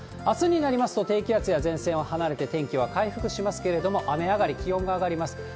あすになりますと低気圧や前線は離れて、天気は回復しますけれども、雨上がり、気温が上がります。